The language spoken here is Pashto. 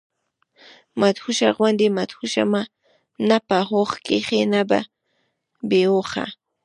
مدهوشه غوندي هوش مي نۀ پۀ هوش کښې نۀ بي هوشه